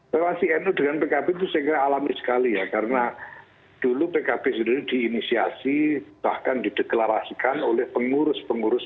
relasi nu dengan pkb itu saya kira alami sekali ya karena dulu pkb sendiri diinisiasi bahkan dideklarasikan oleh pengurus pengurus